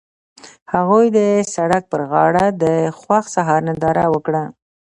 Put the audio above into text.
هغوی د سړک پر غاړه د خوښ سهار ننداره وکړه.